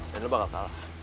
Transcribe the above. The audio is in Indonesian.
dan lo bakal kalah